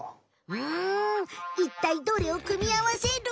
うんいったいどれをくみあわせる？